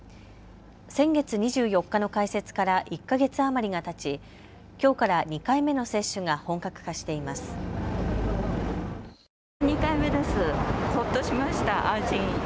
先月２４日の開設から１か月余りがたちきょうから２回目の接種が本格化しています。